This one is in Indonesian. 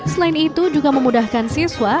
selain itu juga memudahkan siswa